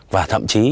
và thậm chí